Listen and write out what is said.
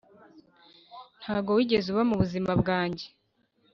ntabwo wigeze uba mubuzima bwanjye